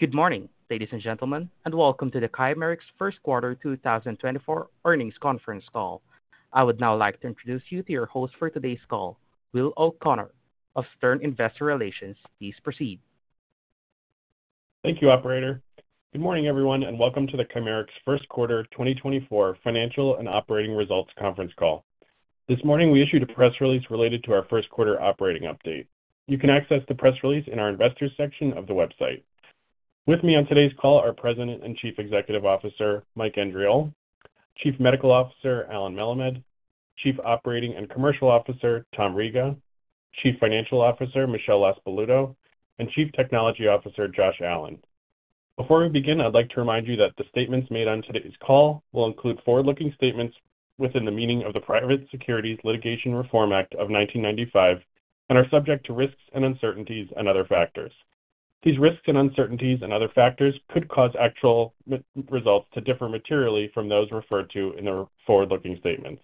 Good morning, ladies and gentlemen, and welcome to the Chimerix First Quarter 2024 Earnings Conference Call. I would now like to introduce you to your host for today's call, Will O'Connor of Stern Investor Relations. Please proceed. Thank you, operator. Good morning, everyone, and welcome to the Chimerix first quarter 2024 financial and operating results conference call. This morning, we issued a press release related to our first quarter operating update. You can access the press release in our investors section of the website. With me on today's call are President and Chief Executive Officer, Mike Andriole; Chief Medical Officer, Allen Melemed; Chief Operating and Commercial Officer, Tom Riga; Chief Financial Officer, Michelle LaSpaluto; and Chief Technology Officer, Josh Allen. Before we begin, I'd like to remind you that the statements made on today's call will include forward-looking statements within the meaning of the Private Securities Litigation Reform Act of 1995 and are subject to risks and uncertainties and other factors. These risks and uncertainties and other factors could cause actual results to differ materially from those referred to in the forward-looking statements.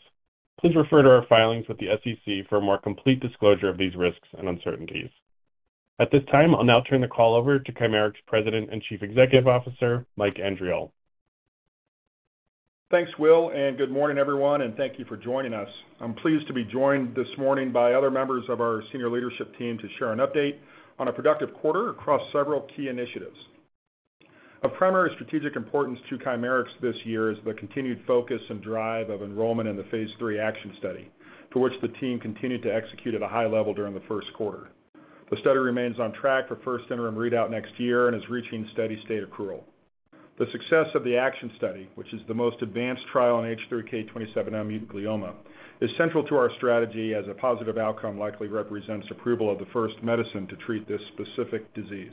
Please refer to our filings with the SEC for a more complete disclosure of these risks and uncertainties. At this time, I'll now turn the call over to Chimerix President and Chief Executive Officer, Mike Andriole. Thanks, Will, and good morning, everyone, and thank you for joining us. I'm pleased to be joined this morning by other members of our senior leadership team to share an update on a productive quarter across several key initiatives. A primary strategic importance to Chimerix this year is the continued focus and drive of enrollment in the Phase 3 ACTION study, towards which the team continued to execute at a high level during the first quarter. The study remains on track for first interim readout next year and is reaching steady-state accrual. The success of the ACTION study, which is the most advanced trial on H3K27M-mutant glioma, is central to our strategy as a positive outcome likely represents approval of the first medicine to treat this specific disease.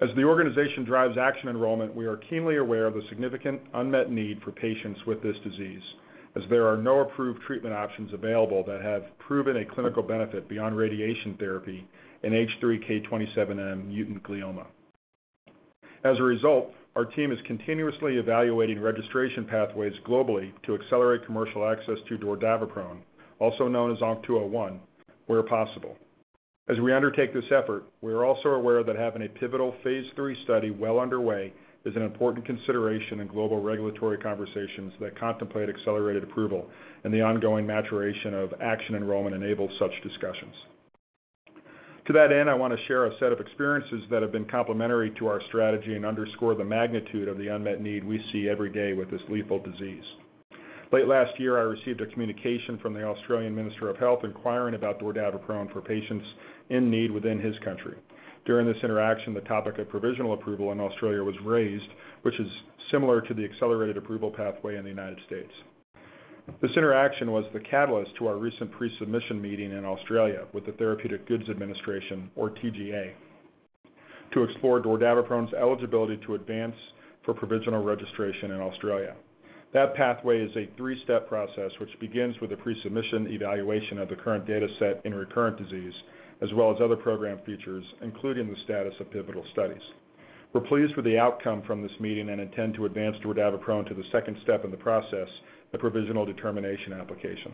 As the organization drives ACTION enrollment, we are keenly aware of the significant unmet need for patients with this disease, as there are no approved treatment options available that have proven a clinical benefit beyond radiation therapy in H3K27M-mutant glioma. As a result, our team is continuously evaluating registration pathways globally to accelerate commercial access to dordaviprone, also known as ONC-201, where possible. As we undertake this effort, we are also aware that having a pivotal Phase III study well underway is an important consideration in global regulatory conversations that contemplate accelerated approval, and the ongoing maturation of ACTION enrollment enables such discussions. To that end, I want to share a set of experiences that have been complementary to our strategy and underscore the magnitude of the unmet need we see every day with this lethal disease. Late last year, I received a communication from the Australian Minister of Health inquiring about dordaviprone for patients in need within his country. During this interaction, the topic of provisional approval in Australia was raised, which is similar to the accelerated approval pathway in the United States. This interaction was the catalyst to our recent pre-submission meeting in Australia with the Therapeutic Goods Administration, or TGA, to explore dordaviprone's eligibility to advance for provisional registration in Australia. That pathway is a three-step process, which begins with a pre-submission evaluation of the current data set in recurrent disease, as well as other program features, including the status of pivotal studies. We're pleased with the outcome from this meeting and intend to advance dordaviprone to the second step in the process, the provisional determination application.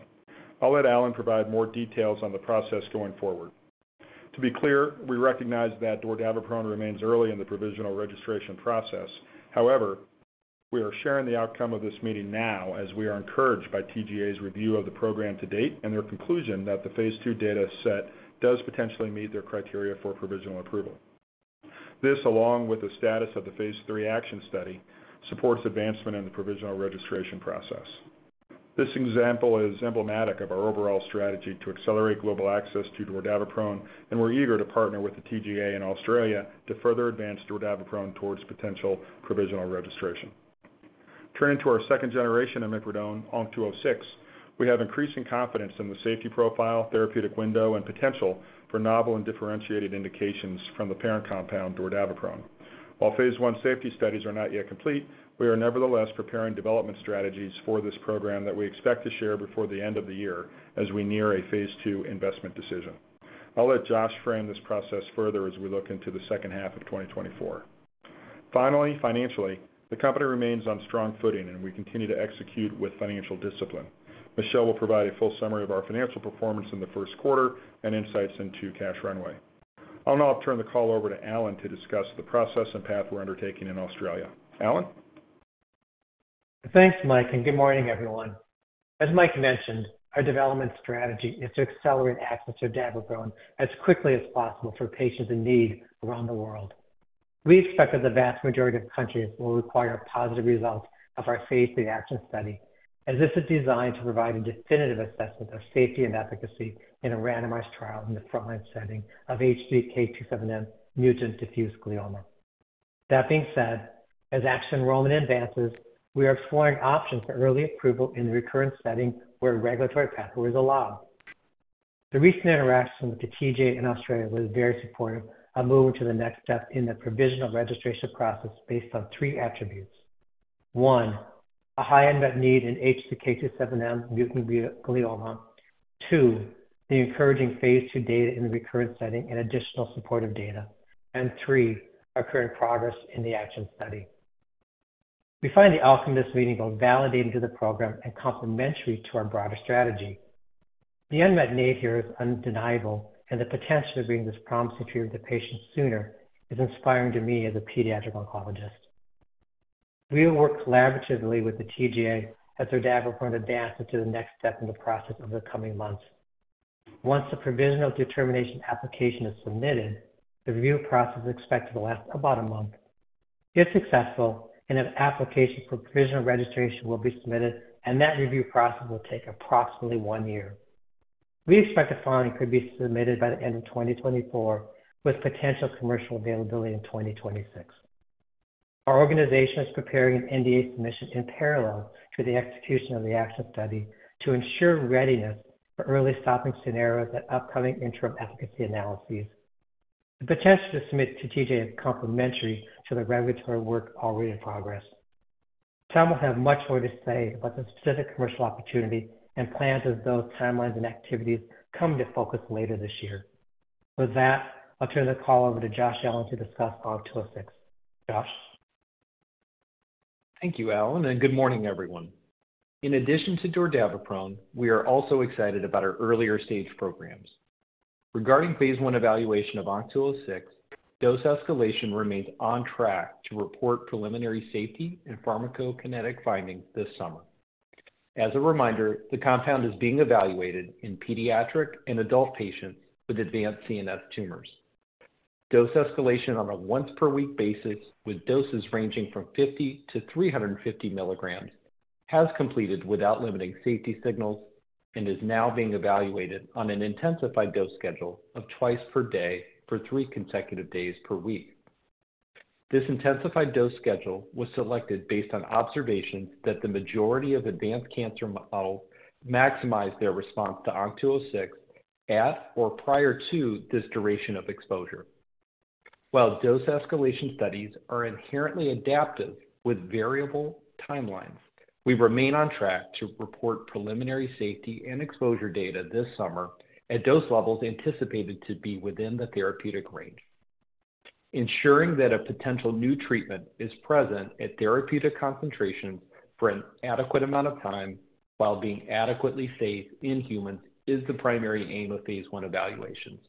I'll let Allen provide more details on the process going forward. To be clear, we recognize that dordaviprone remains early in the provisional registration process. However, we are sharing the outcome of this meeting now as we are encouraged by TGA's review of the program to date and their conclusion that the Phase II data set does potentially meet their criteria for provisional approval. This, along with the status of the Phase III ACTION study, supports advancement in the provisional registration process. This example is emblematic of our overall strategy to accelerate global access to dordaviprone, and we're eager to partner with the TGA in Australia to further advance dordaviprone towards potential provisional registration. Turning to our second generation of imipridone, ONC-206, we have increasing confidence in the safety profile, therapeutic window, and potential for novel and differentiated indications from the parent compound, dordaviprone. While Phase I safety studies are not yet complete, we are nevertheless preparing development strategies for this program that we expect to share before the end of the year as we near a Phase II investment decision. I'll let Josh frame this process further as we look into the second half of 2024. Finally, financially, the company remains on strong footing, and we continue to execute with financial discipline. Michelle will provide a full summary of our financial performance in the first quarter and insights into cash runway. I'll now turn the call over to Allen to discuss the process and path we're undertaking in Australia. Allen? Thanks, Mike, and good morning, everyone. As Mike mentioned, our development strategy is to accelerate access to dordaviprone as quickly as possible for patients in need around the world. We expect that the vast majority of countries will require positive results of our Phase III ACTION study, as this is designed to provide a definitive assessment of safety and efficacy in a randomized trial in the frontline setting of H3K27M-mutant diffuse glioma. That being said, as ACTION enrollment advances, we are exploring options for early approval in the recurrent setting where regulatory pathways allow. The recent interaction with the TGA in Australia was very supportive of moving to the next step in the provisional registration process based on 3 attributes: 1, a high unmet need in H3K27M-mutant glioma. 2, the encouraging Phase II data in the recurrent setting and additional supportive data. Three, our current progress in the ACTION study. We find the outcome of this meeting both validating to the program and complementary to our broader strategy. The unmet need here is undeniable, and the potential of bringing this promising treatment to patients sooner is inspiring to me as a pediatric oncologist. We will work collaboratively with the TGA as our data point advances to the next step in the process over the coming months. Once the provisional determination application is submitted, the review process is expected to last about a month. If successful, an application for provisional registration will be submitted, and that review process will take approximately one year. We expect a filing could be submitted by the end of 2024, with potential commercial availability in 2026. Our organization is preparing an NDA submission in parallel to the execution of the ACTION study to ensure readiness for early stopping scenarios and upcoming interim efficacy analyses. The potential to submit to TGA is complementary to the regulatory work already in progress. Tom will have much more to say about the specific commercial opportunity and plans as those timelines and activities come into focus later this year. With that, I'll turn the call over to Josh Allen to discuss ONC-206. Josh? Thank you, Allen, and good morning, everyone. In addition to dordaviprone, we are also excited about our earlier-stage programs. Regarding Phase I evaluation of ONC-206, dose escalation remains on track to report preliminary safety and pharmacokinetic findings this summer. As a reminder, the compound is being evaluated in pediatric and adult patients with advanced CNS tumors. Dose escalation on a once-per-week basis, with doses ranging from 50-350 milligrams, has completed without limiting safety signals and is now being evaluated on an intensified dose schedule of twice per day for three consecutive days per week. This intensified dose schedule was selected based on observations that the majority of advanced cancer maximize their response to ONC-206 at or prior to this duration of exposure. While dose escalation studies are inherently adaptive with variable timelines, we remain on track to report preliminary safety and exposure data this summer at dose levels anticipated to be within the therapeutic range. Ensuring that a potential new treatment is present at therapeutic concentration for an adequate amount of time while being adequately safe in humans is the primary aim of Phase I evaluations.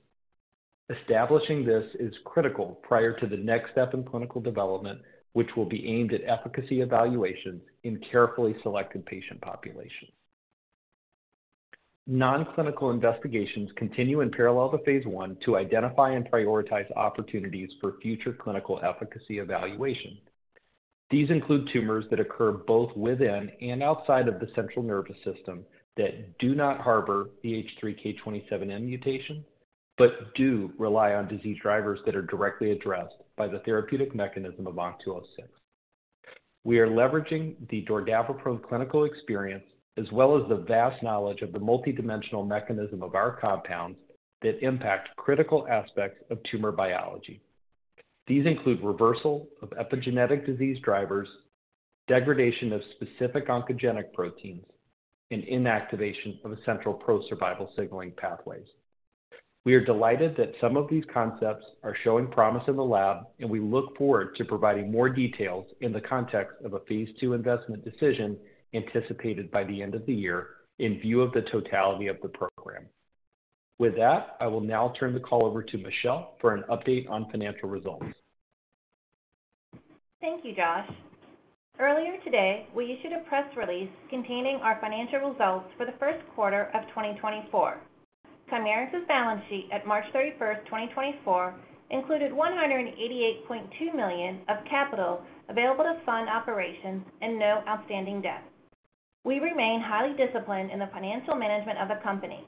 Establishing this is critical prior to the next step in clinical development, which will be aimed at efficacy evaluations in carefully selected patient populations. Nonclinical investigations continue in parallel to Phase I to identify and prioritize opportunities for future clinical efficacy evaluation. These include tumors that occur both within and outside of the central nervous system that do not harbor the H3K27M mutation, but do rely on disease drivers that are directly addressed by the therapeutic mechanism of ONC-206. We are leveraging the dordaviprone clinical experience, as well as the vast knowledge of the multidimensional mechanism of our compounds that impact critical aspects of tumor biology. These include reversal of epigenetic disease drivers, degradation of specific oncogenic proteins, and inactivation of essential pro-survival signaling pathways. We are delighted that some of these concepts are showing promise in the lab, and we look forward to providing more details in the context of a Phase II investment decision anticipated by the end of the year in view of the totality of the program. With that, I will now turn the call over to Michelle for an update on financial results. Thank you, Josh. Earlier today, we issued a press release containing our financial results for the first quarter of 2024. Chimerix's balance sheet at March 31, 2024, included $188.2 million of capital available to fund operations and no outstanding debt. We remain highly disciplined in the financial management of the company.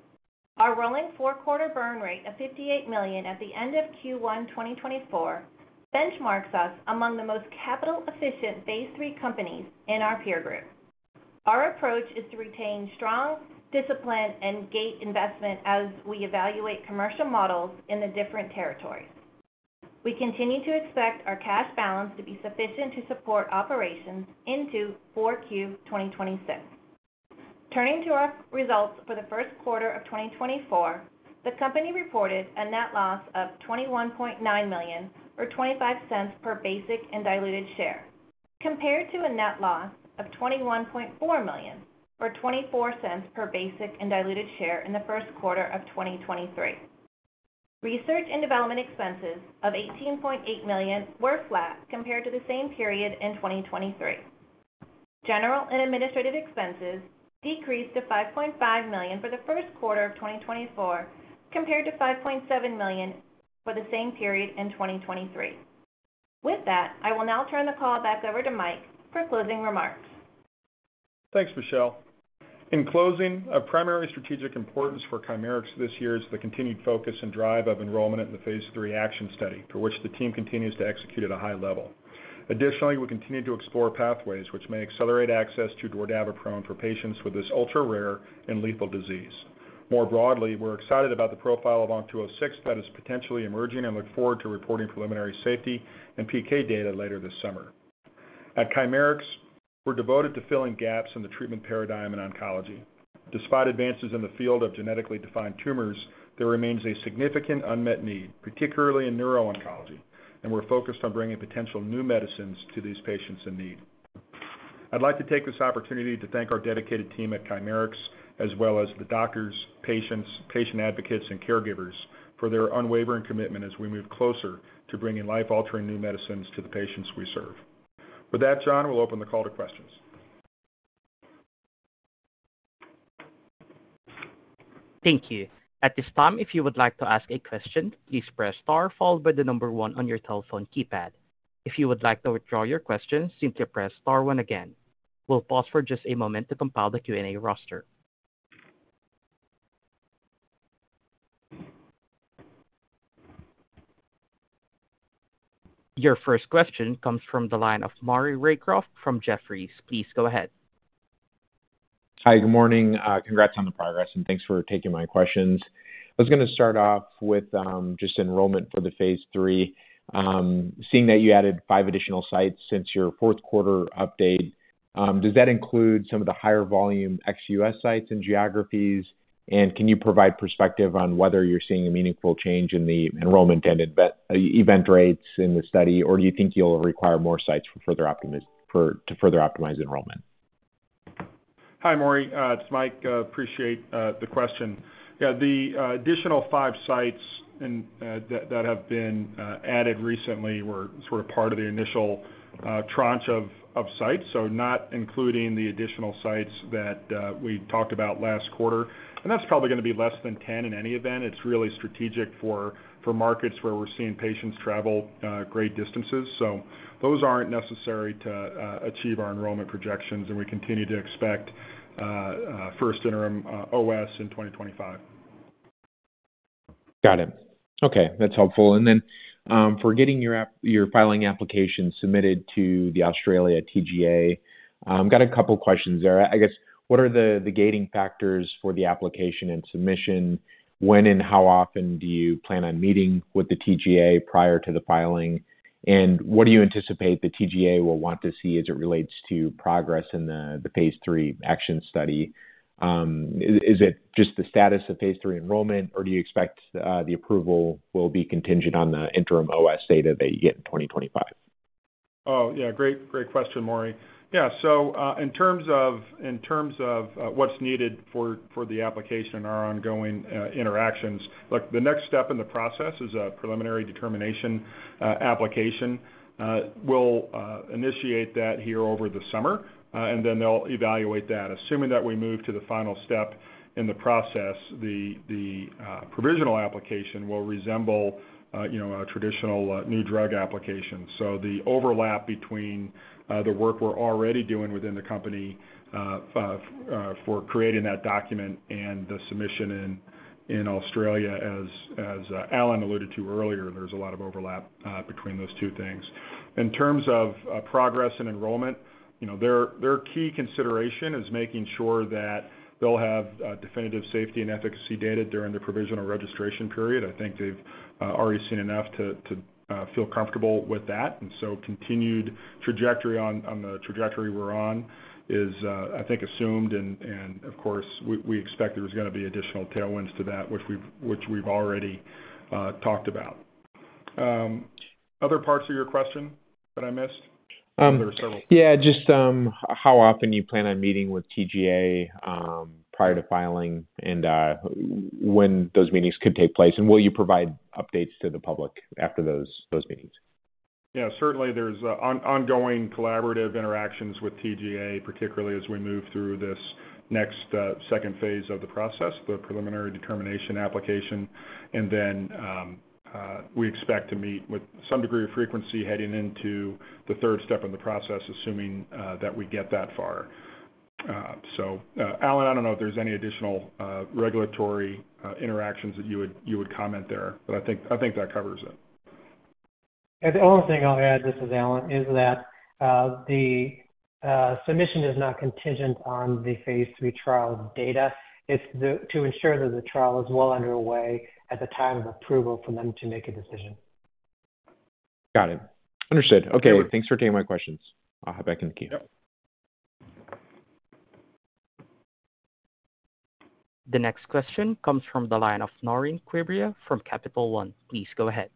Our rolling four-quarter burn rate of $58 million at the end of Q1 2024 benchmarks us among the most capital-efficient Phase III companies in our peer group. Our approach is to retain strong discipline and gate investment as we evaluate commercial models in the different territories. We continue to expect our cash balance to be sufficient to support operations into 4Q 2026. Turning to our results for the first quarter of 2024, the company reported a net loss of $21.9 million, or $0.25 per basic and diluted share, compared to a net loss of $21.4 million, or $0.24 per basic and diluted share in the first quarter of 2023. Research and development expenses of $18.8 million were flat compared to the same period in 2023. General and administrative expenses decreased to $5.5 million for the first quarter of 2024, compared to $5.7 million for the same period in 2023. With that, I will now turn the call back over to Mike for closing remarks. Thanks, Michelle. In closing, a primary strategic importance for Chimerix this year is the continued focus and drive of enrollment in the Phase III ACTION study, for which the team continues to execute at a high level. Additionally, we continue to explore pathways which may accelerate access to dordaviprone for patients with this ultra-rare and lethal disease. More broadly, we're excited about the profile of ONC-206 that is potentially emerging and look forward to reporting preliminary safety and PK data later this summer. At Chimerix, we're devoted to filling gaps in the treatment paradigm in oncology. Despite advances in the field of genetically defined tumors, there remains a significant unmet need, particularly in neuro-oncology, and we're focused on bringing potential new medicines to these patients in need. I'd like to take this opportunity to thank our dedicated team at Chimerix, as well as the doctors, patients, patient advocates, and caregivers for their unwavering commitment as we move closer to bringing life-altering new medicines to the patients we serve. With that, John, we'll open the call to questions. Thank you. At this time, if you would like to ask a question, please press star, followed by the number one on your telephone keypad. If you would like to withdraw your question, simply press star one again. We'll pause for just a moment to compile the Q&A roster. Your first question comes from the line of Maury Raycroft from Jefferies. Please go ahead. Hi, good morning. Congrats on the progress, and thanks for taking my questions. I was gonna start off with just enrollment for the phase 3. Seeing that you added five additional sites since your fourth quarter update, does that include some of the higher volume ex-US sites and geographies? And can you provide perspective on whether you're seeing a meaningful change in the enrollment and event, event rates in the study, or do you think you'll require more sites to further optimize enrollment? Hi, Maury. It's Mike, appreciate the question. Yeah, the additional five sites and that have been added recently were sort of part of the initial tranche of sites, so not including the additional sites that we talked about last quarter. And that's probably gonna be less than 10 in any event. It's really strategic for markets where we're seeing patients travel great distances. So those aren't necessary to achieve our enrollment projections, and we continue to expect first interim OS in 2025. Got it. Okay, that's helpful. And then, for getting your filing application submitted to the Australia TGA, got a couple questions there. I guess, what are the gating factors for the application and submission? When and how often do you plan on meeting with the TGA prior to the filing? And what do you anticipate the TGA will want to see as it relates to progress in the Phase 3 ACTION study? Is it just the status of Phase 3 enrollment, or do you expect the approval will be contingent on the interim OS data that you get in 2025? Oh, yeah, great, great question, Maury. Yeah, so, in terms of, in terms of, what's needed for, for the application and our ongoing interactions, look, the next step in the process is a provisional determination application. We'll initiate that here over the summer, and then they'll evaluate that. Assuming that we move to the final step in the process, the provisional application will resemble, you know, a traditional new drug application. So the overlap between the work we're already doing within the company for creating that document and the submission in Australia, as Alan alluded to earlier, there's a lot of overlap between those two things. In terms of progress and enrollment, you know, their key consideration is making sure that they'll have definitive safety and efficacy data during the provisional registration period. I think they've already seen enough to feel comfortable with that, and so continued trajectory on the trajectory we're on is, I think, assumed, and of course, we expect there's gonna be additional tailwinds to that, which we've already talked about. Other parts of your question that I missed? There were several. Yeah, just, how often do you plan on meeting with TGA, prior to filing, and, when those meetings could take place? And will you provide updates to the public after those, those meetings? Yeah, certainly, there's ongoing collaborative interactions with TGA, particularly as we move through this next second phase of the process, the preliminary determination application. And then, we expect to meet with some degree of frequency heading into the third step in the process, assuming that we get that far. So, Allen, I don't know if there's any additional regulatory interactions that you would comment there, but I think that covers it. The only thing I'll add, this is Allen, is that the submission is not contingent on the phase 3 trial data. It's to ensure that the trial is well underway at the time of approval for them to make a decision. Got it. Understood. Great. Okay, thanks for taking my questions. I'll hop back in the queue. Yep. The next question comes from the line of Naureen Quibria from Capital One. Please go ahead.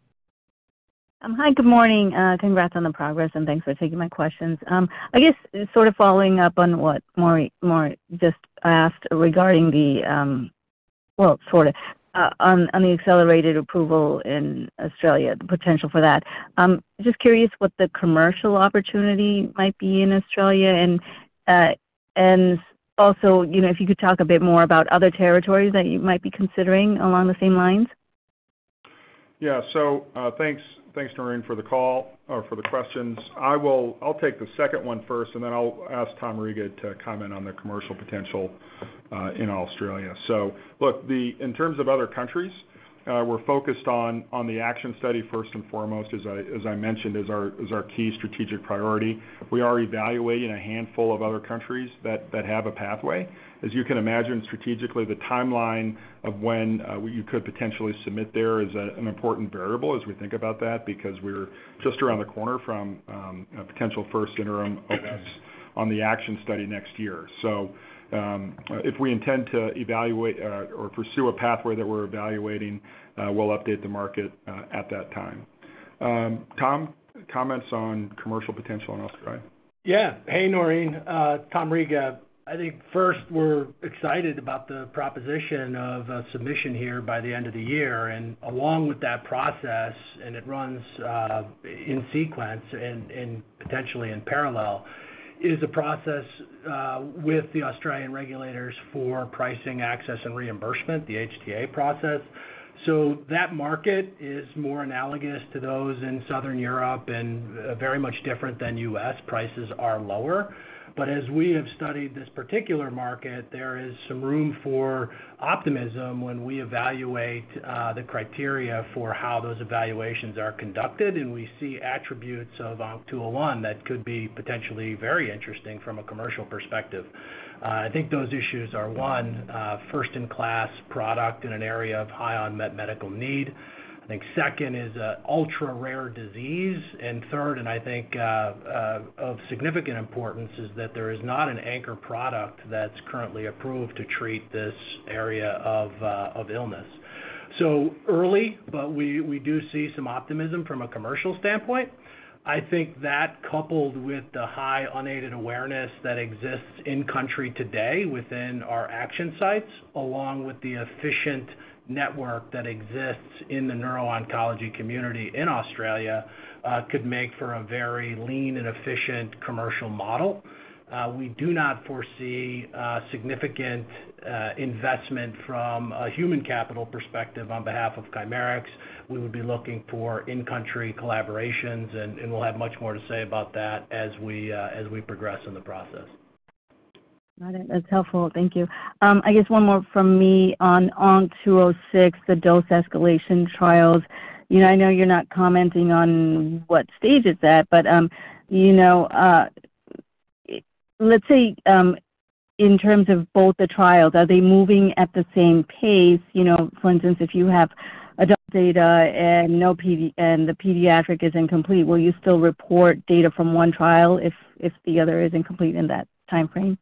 Hi, good morning. Congrats on the progress, and thanks for taking my questions. I guess, sort of following up on what Maury just asked regarding the accelerated approval in Australia, the potential for that. Just curious what the commercial opportunity might be in Australia, and also, you know, if you could talk a bit more about other territories that you might be considering along the same lines. Yeah. So, thanks, thanks, Naureen, for the call, or for the questions. I'll take the second one first, and then I'll ask Tom Riga to comment on the commercial potential in Australia. So look, in terms of other countries, we're focused on the ACTION study first and foremost, as I mentioned, as our key strategic priority. We are evaluating a handful of other countries that have a pathway. As you can imagine, strategically, the timeline of when you could potentially submit there is an important variable as we think about that, because we're just around the corner from a potential first interim OS on the ACTION study next year. So, if we intend to evaluate or pursue a pathway that we're evaluating, we'll update the market at that time. Tom, comments on commercial potential in Australia? Yeah. Hey, Noreen, Tom Riga. I think first, we're excited about the proposition of a submission here by the end of the year, and along with that process, and it runs in sequence and potentially in parallel, is a process with the Australian regulators for pricing, access, and reimbursement, the HTA process. So that market is more analogous to those in Southern Europe and very much different than U.S. Prices are lower. But as we have studied this particular market, there is some room for optimism when we evaluate the criteria for how those evaluations are conducted, and we see attributes of ONC-201 that could be potentially very interesting from a commercial perspective. I think those issues are, one, first-in-class product in an area of high unmet medical need. I think second is an ultra-rare disease, and third, and I think, of significant importance, is that there is not an anchor product that's currently approved to treat this area of, of illness. So early, but we, we do see some optimism from a commercial standpoint. I think that coupled with the high unaided awareness that exists in-country today within our action sites, along with the efficient network that exists in the neuro-oncology community in Australia, could make for a very lean and efficient commercial model. We do not foresee, significant, investment from a human capital perspective on behalf of Chimerix. We would be looking for in-country collaborations, and, and we'll have much more to say about that as we, as we progress in the process. Got it. That's helpful. Thank you. I guess one more from me on ONC-206, the dose escalation trials. You know, I know you're not commenting on what stage it's at, but, you know, let's say, in terms of both the trials, are they moving at the same pace? You know, for instance, if you have adult data and the pediatric is incomplete, will you still report data from one trial if the other is incomplete in that time frame?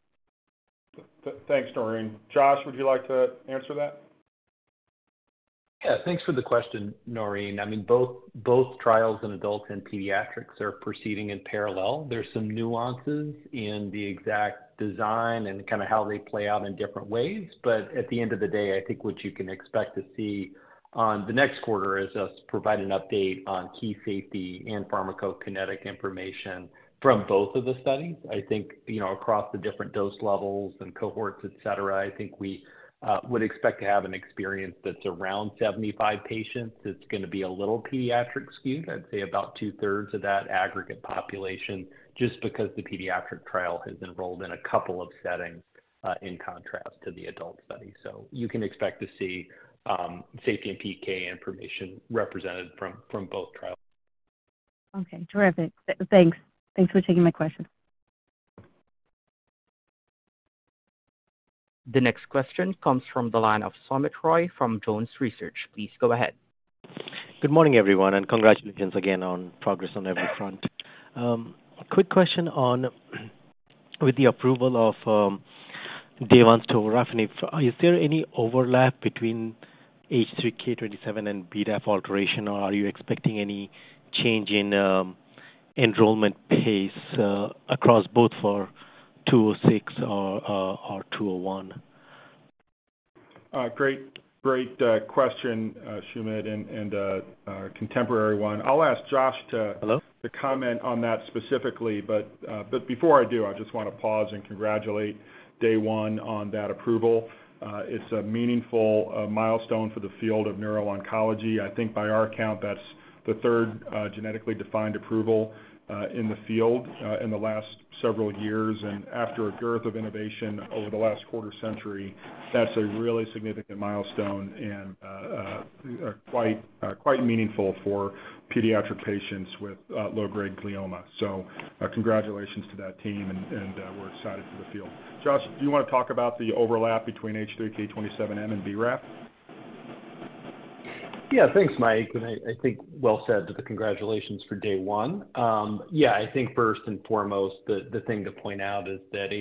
Thanks, Noreen. Josh, would you like to answer that? Yeah, thanks for the question, Naureen. I mean, both, both trials in adults and pediatrics are proceeding in parallel. There's some nuances in the exact design and kind of how they play out in different ways, but at the end of the day, I think what you can expect to see on the next quarter is us provide an update on key safety and pharmacokinetic information from both of the studies. I think, you know, across the different dose levels and cohorts, et cetera, I think we would expect to have an experience that's around 75 patients. It's gonna be a little pediatric skewed, I'd say about 2/3 of that aggregate population, just because the pediatric trial has enrolled in a couple of settings, in contrast to the adult study. So you can expect to see, safety and PK information represented from, from both trials. Okay, terrific. Thanks. Thanks for taking my question. The next question comes from the line of Soumit Roy from Jones Research. Please go ahead. Good morning, everyone, and congratulations again on progress on every front. Quick question on, with the approval of Day One's tovorafenib. Is there any overlap between H3K27M and BRAF alteration, or are you expecting any change in enrollment pace across both for 206 or 201? Great, great, question, Sumit, and, and, a contemporary one. I'll ask Josh to- Hello? -to comment on that specifically, but before I do, I just want to pause and congratulate Day One on that approval. It's a meaningful milestone for the field of neuro-oncology. I think by our count, that's the third genetically defined approval in the field in the last several years. And after a dearth of innovation over the last quarter century, that's a really significant milestone and quite meaningful for pediatric patients with low-grade glioma. So, congratulations to that team, and we're excited for the field. Josh, do you want to talk about the overlap between H3K27M and BRAF? Yeah, thanks, Mike, and I think well said to the congratulations for Day One. Yeah, I think first and foremost, the thing to point out is that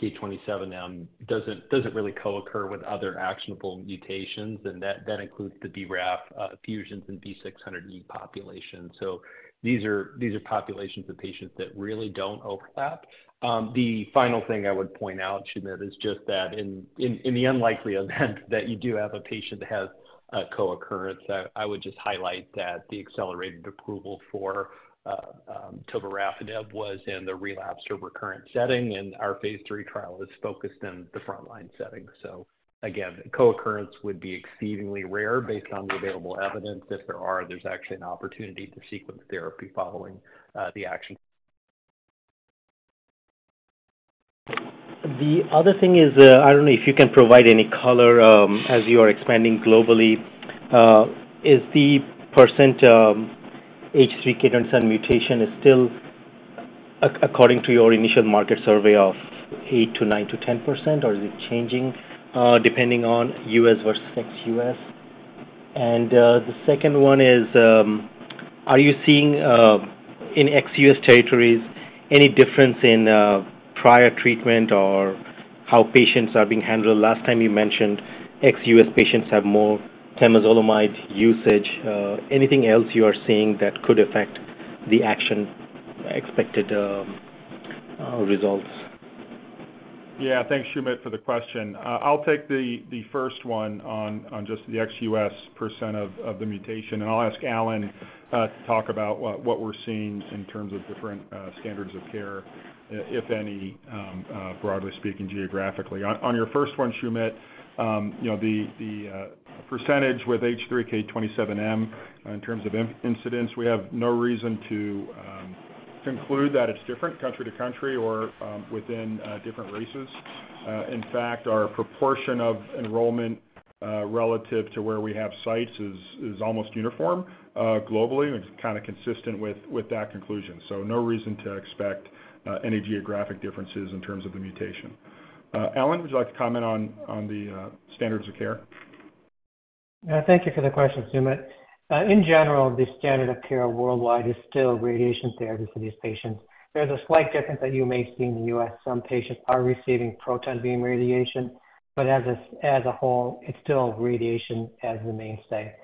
H3K27M doesn't really co-occur with other actionable mutations, and that includes the BRAF fusions and V600E population. So these are populations of patients that really don't overlap. The final thing I would point out, Sumit, is just that in the unlikely event that you do have a patient that has a co-occurrence, I would just highlight that the accelerated approval for tovorafenib was in the relapsed or recurrent setting, and our Phase III trial is focused in the frontline setting. So again, co-occurrence would be exceedingly rare based on the available evidence. There's actually an opportunity to sequence therapy following the ACTION. The other thing is, I don't know if you can provide any color, as you are expanding globally, is the percent of H3K27M mutation still according to your initial market survey of 8%-10%, or is it changing, depending on U.S. versus ex-U.S.? And, the second one is, are you seeing, in ex-U.S. territories, any difference in prior treatment how patients are being handled. Last time you mentioned ex-U.S. patients have more temozolomide usage. Anything else you are seeing that could affect the ACTION expected results? Yeah. Thanks, Soumit, for the question. I'll take the first one on just the ex-US percent of the mutation, and I'll ask Allen to talk about what we're seeing in terms of different standards of care, if any, broadly speaking geographically. On your first one, Soumit, you know, the percentage with H3K27M in terms of incidence, we have no reason to conclude that it's different country to country or within different races. In fact, our proportion of enrollment relative to where we have sites is almost uniform globally, and it's kinda consistent with that conclusion. So no reason to expect any geographic differences in terms of the mutation. Allen, would you like to comment on the standards of care? Thank you for the question, Soumit. In general, the standard of care worldwide is still radiation therapy for these patients. There's a slight difference that you may see in the U.S. Some patients are receiving proton beam radiation, but as a whole, it's still radiation as the mainstay.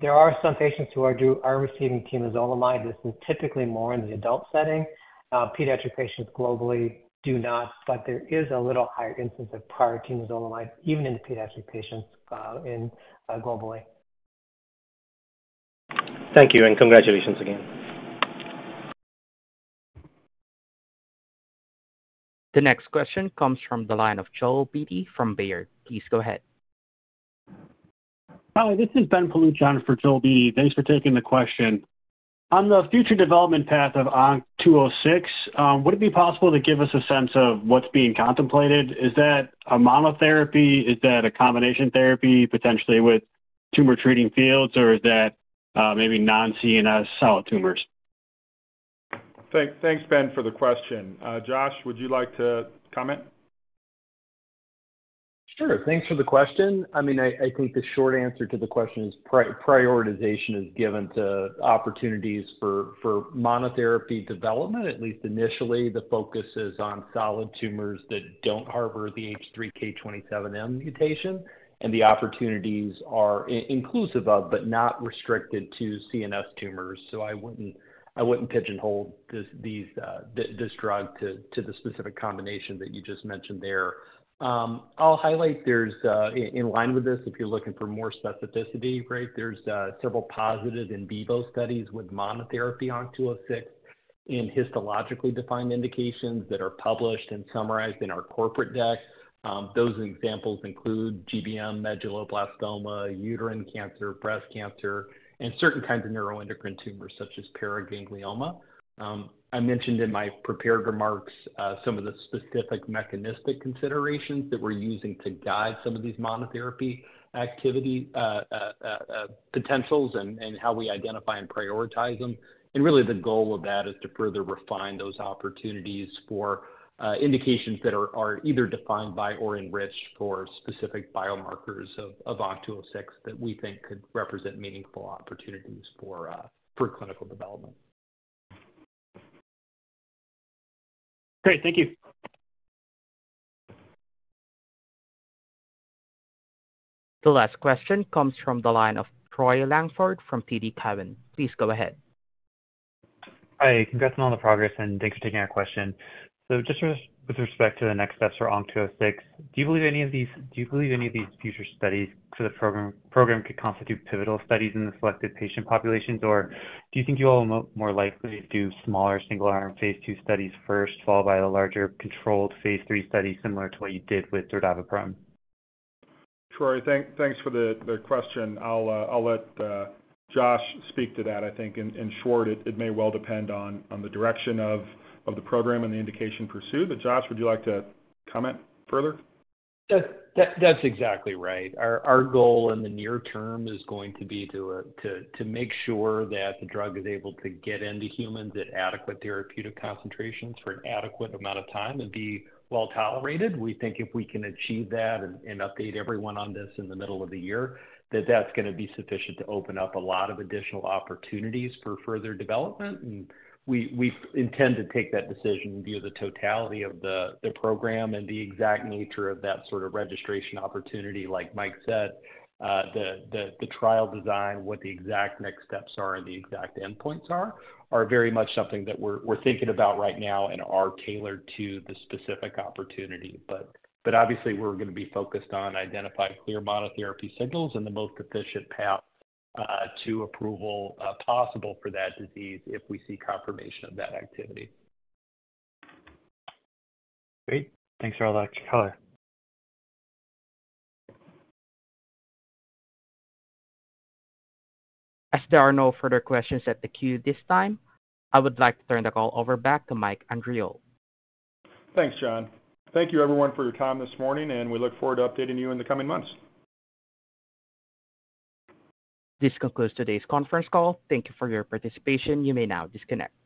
There are some patients who are receiving temozolomide. This is typically more in the adult setting. Pediatric patients globally do not, but there is a little higher incidence of prior temozolomide, even in the pediatric patients, globally. Thank you, and congratulations again. The next question comes from the line of Joel Beatty from Baird. Please go ahead. Hi, this is Ben Paluch on for Joel Beatty. Thanks for taking the question. On the future development path of ONC206, would it be possible to give us a sense of what's being contemplated? Is that a monotherapy? Is that a combination therapy, potentially with tumor treating fields, or is that, maybe non-CNS solid tumors? Thanks, Ben, for the question. Josh, would you like to comment? Sure. Thanks for the question. I mean, I think the short answer to the question is prioritization is given to opportunities for monotherapy development. At least initially, the focus is on solid tumors that don't harbor the H3K27M mutation, and the opportunities are inclusive of, but not restricted to, CNS tumors. So I wouldn't pigeonhole this drug to the specific combination that you just mentioned there. I'll highlight there's in line with this, if you're looking for more specificity, right? There's several positive in vivo studies with monotherapy ONC206 in histologically defined indications that are published and summarized in our corporate deck. Those examples include GBM, medulloblastoma, uterine cancer, breast cancer, and certain kinds of neuroendocrine tumors, such as paraganglioma. I mentioned in my prepared remarks some of the specific mechanistic considerations that we're using to guide some of these monotherapy activity potentials and how we identify and prioritize them. And really the goal of that is to further refine those opportunities for indications that are either defined by or enriched for specific biomarkers of ONC206 that we think could represent meaningful opportunities for clinical development. Great, thank you. The last question comes from the line of Troy Langford from TD Cowen. Please go ahead. Hi, congrats on all the progress, and thanks for taking our question. So just with respect to the next steps for ONC-206, do you believe any of these future studies to the program could constitute pivotal studies in the selected patient populations? Or do you think you will more likely do smaller single-arm Phase II studies first, followed by a larger controlled Phase III study, similar to what you did with dordaviprone? Troy, thanks for the question. I'll let Josh speak to that. I think in short, it may well depend on the direction of the program and the indication pursued. But Josh, would you like to comment further? That's exactly right. Our goal in the near term is going to be to make sure that the drug is able to get into humans at adequate therapeutic concentrations for an adequate amount of time and be well tolerated. We think if we can achieve that and update everyone on this in the middle of the year, that that's gonna be sufficient to open up a lot of additional opportunities for further development. And we intend to take that decision via the totality of the program and the exact nature of that sort of registration opportunity. Like Mike said, the trial design, what the exact next steps are and the exact endpoints are very much something that we're thinking about right now and are tailored to the specific opportunity. But obviously, we're gonna be focused on identifying clear monotherapy signals and the most efficient path to approval possible for that disease if we see confirmation of that activity. Great. Thanks for all that color. As there are no further questions at the queue this time, I would like to turn the call over back to Mike Andriole. Thanks, John. Thank you everyone for your time this morning, and we look forward to updating you in the coming months. This concludes today's conference call. Thank you for your participation. You may now disconnect.